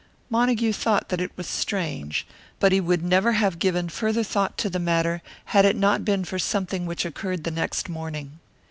Montague thought that it was strange, but he would never have given further thought to the matter, had it not been for something which occurred the next morning.